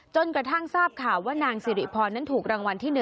จนกระทั่งทราบข่าวว่านางสิริพรนั้นถูกรางวัลที่๑